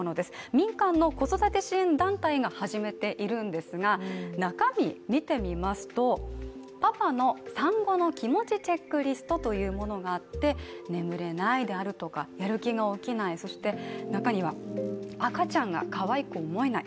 民間の子育て支援団体が始めいるんですが、中身を見てみますと、パパの産後の気持ちチェックリストというものがあって眠れないであるとか、やる気が起きないそして中には、赤ちゃんがかわいく思えない